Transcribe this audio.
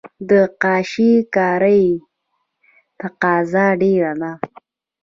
د کاشي کارۍ تقاضا ډیره ده